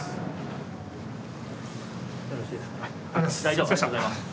ここでありがとうございます。